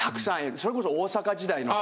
それこそ大阪時代の声。